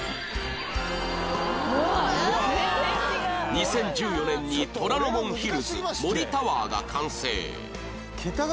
２０１４年に虎ノ門ヒルズ森タワーが完成「桁が違うもん」